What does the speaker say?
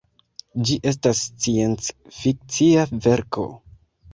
Ĝi estas sciencfikcia verko.